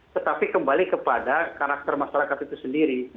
tetapi kembali kepada karakter masyarakat itu sendiri